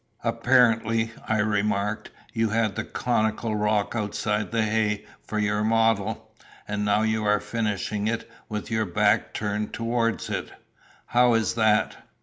"Apparently," I remarked, "you had the conical rock outside the hay for your model, and now you are finishing it with your back turned towards it. How is that?"